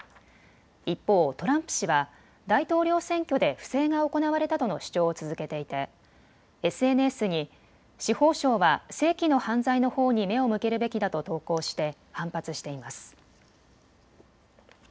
一方、トランプ氏は大統領選挙で不正が行われたとの主張を続けていてＳＮＳに司法省は世紀の犯罪のほうに目を向けるべきだと投稿して反発しています。